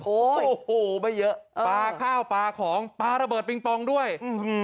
โอ้โหไม่เยอะปลาข้าวปลาของปลาระเบิดปิงปองด้วยอืม